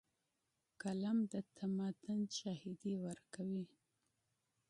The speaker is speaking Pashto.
قلم د تمدن شاهدي ورکوي.